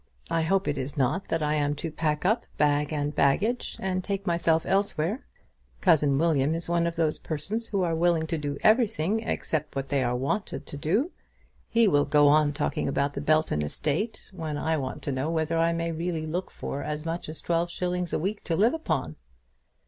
I hope it is not that I am to pack up, bag and baggage, and take myself elsewhere. Cousin William is one of those persons who are willing to do everything except what they are wanted to do. He will go on talking about the Belton estate, when I want to know whether I may really look for as much as twelve shillings a week to live upon."